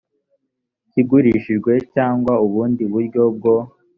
kigurishwe cyangwa ubundi buryo bwo